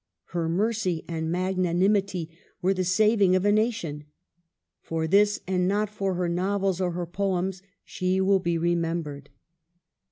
Her mercy and magnanimity were the saving of a nation. For this, and not for her novels or her poems, she will be remembered.